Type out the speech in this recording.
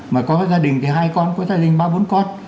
mà có gia đình thì hai con có gia đình ba mươi bốn con